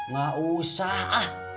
gak usah ah